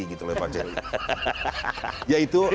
ya itu tadi itu